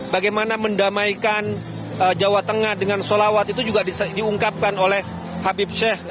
bagaimana mendamaikan jawa tengah dengan sholawat itu juga diungkapkan oleh habib sheikh